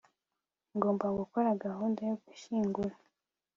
ngomba gukora gahunda yo gushyingura